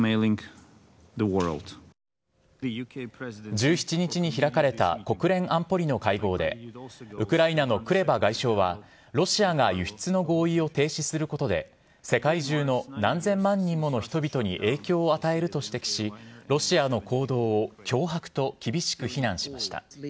１７日に開かれた国連安保理の会合で、ウクライナのクレバ外相は、ロシアが輸出の合意を停止することで、世界中の何千万人もの人々に影響を与えると指摘し、ロシアの行動を脅迫と、厳しく非難しました。